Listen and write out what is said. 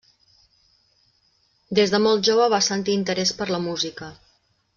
Des de molt jove va sentir interès per la música.